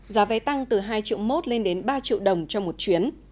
giá vé tăng từ hai triệu mốt lên đến ba triệu đồng cho một chuyến